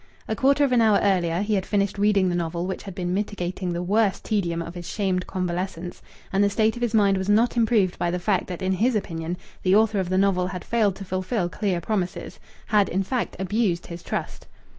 A quarter of an hour earlier he had finished reading the novel which had been mitigating the worst tedium of his shamed convalescence, and the state of his mind was not improved by the fact that in his opinion the author of the novel had failed to fulfil clear promises had, in fact, abused his trust.